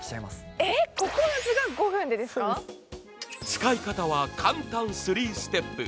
使い方は簡単スリーステップ。